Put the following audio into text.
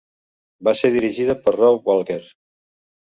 Va ser dirigida per Rob Walker.